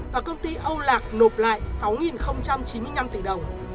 và công ty âu lạc nộp lại sáu chín mươi năm tỷ đồng